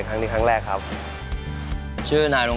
ก็อยากให้น้องทุกคนตั้งใจซ้อมพัฒนาตัวเอง